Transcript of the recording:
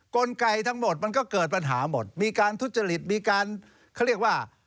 กลไกทั้งหมดมันก็เกิดปัญหาหมดมีการทุจริตมีการเขาเรียกว่า